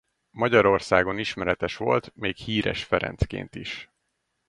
Magyarországon ismeretes volt még Híres Ferencként is.